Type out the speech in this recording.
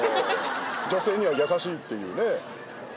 女性には優しいっていうね